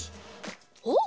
おっ！